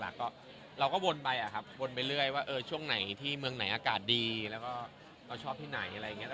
ไม่ให้ซ้ำหรือว่าเป็นเมืองใหม่ของน้อง